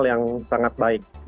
yang sangat baik